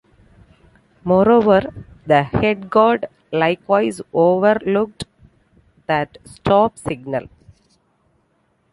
Moreover, the head guard likewise overlooked that "stop" signal.